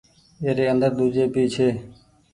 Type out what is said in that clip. ايري اندر ۮوجھي ڀي ڇي۔